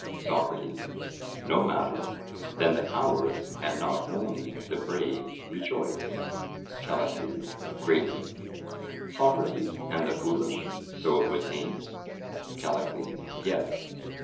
SOCRATES: No matter; then the cowards, and not only the brave, rejoice? CALLICLES: Greatly. SOCRATES: And the foolish; so it would seem? CALLICLES: Yes.